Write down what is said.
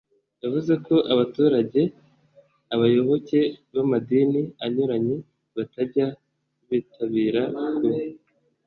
yavuze ko abaturage, abayoboke b’amadini anyuranye batajya bitabira ku